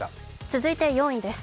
続いて４位です。